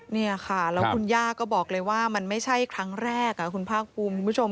นี่ค่ะแล้วคุณย่าก็บอกเลยว่ามันไม่ใช่ครั้งแรกคุณพระอุปุติมิติมิติม